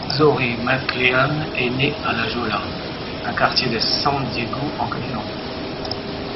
Zoe McLellan est née à La Jolla, un quartier de San Diego en Californie.